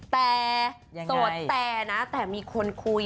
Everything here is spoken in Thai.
แต่โสดแต่นะแต่มีคนคุย